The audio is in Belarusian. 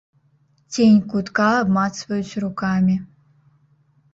Цень кутка абмацваюць рукамі.